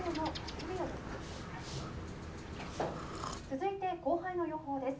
「続いて降灰の予報です。